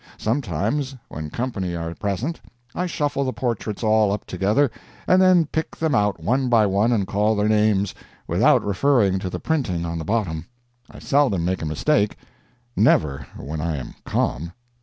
Sometimes when company are present I shuffle the portraits all up together, and then pick them out one by one and call their names, without referring to the printing on the bottom. I seldom make a mistake never, when I am calm.